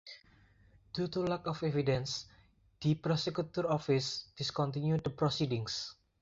Due to lack of evidence, the Prosecutor's Office discontinued the proceedings.